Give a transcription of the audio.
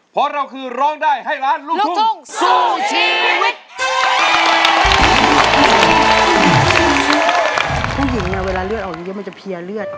ผู้หญิงเนี่ยเวลาเลือดออกอย่างนี้มันจะเพียเลือด